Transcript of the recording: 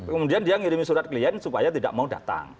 kemudian dia ngirim surat klien supaya tidak mau datang